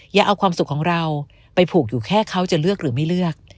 อย่าเอาความสุขของเราไปผูกอยู่แค่เขาจะเลือกหรือไม่เลือก